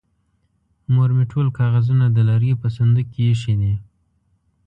مور مې ټول کاغذونه د لرګي په صندوق کې ايښې دي.